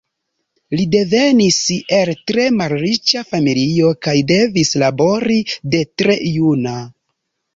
Li devenis el tre malriĉa familio kaj devis labori de tre juna.